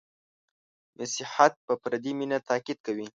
• مسیحیت په فردي مینه تأکید کوي.